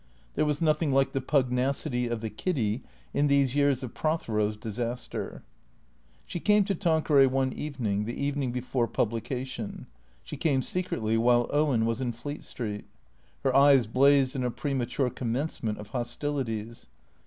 There was nothing like the pugnacity of the Kiddy in these years of Prothero's disaster. She came to Tanqueray one evening, the evening before pub lication; she came secretly, while Owen was in Fleet Street. Her eyes blazed in a premature commencement of hostilities.